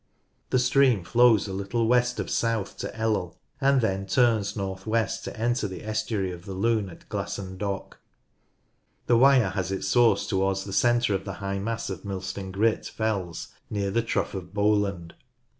The stream flows a little west of south to Ellel, and then turns north west to enter the estuary of the Lune at Glasson Dock. The Wyre has its source towards the centre of the hiffh mass of Millstone Grit fells near the Trough of Lower Hodder Bridges Bowland.